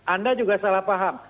anda juga salah paham